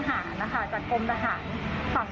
นะคะแล้วก็ถึงเชิญอะไรกันแล้วสักครั้งหนึ่งก็มีทหารนะคะ